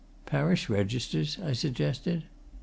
"Parish registers?" I suggested.